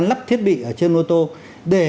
lắp thiết bị ở trên ô tô để